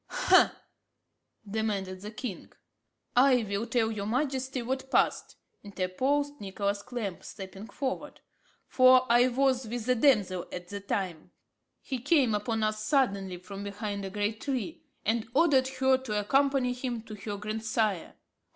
ha!" demanded the king. "I will tell your majesty what passed," interposed Nicholas Clamp, stepping forward, "for I was with the damsel at the time. He came upon us suddenly from behind a great tree, and ordered her to accompany him to her grandsire."